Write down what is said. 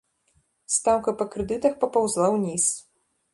Стаўка па крэдытах папаўзла ўніз.